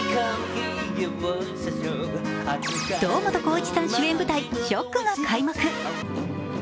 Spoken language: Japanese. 堂本光一さん主演舞台「ＳＨＯＣＫ」が開幕。